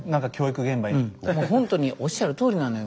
もうほんとにおっしゃるとおりなのよ。